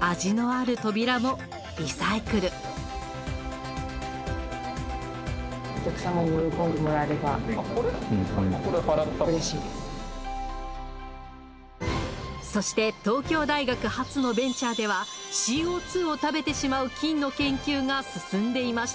味のある扉もリサイクルそして東京大学発のベンチャーではＣＯを食べてしまう菌の研究が進んでいました。